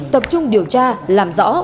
tập trung điều tra làm rõ